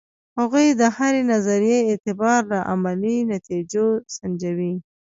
هغوی د هرې نظریې اعتبار له عملي نتیجو سنجوي.